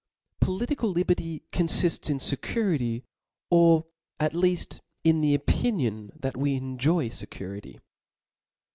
Political liberty confifts in fecurity, or, atleaft, in the opinion that we en joy fecurity.